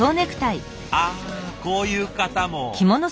あこういう方も。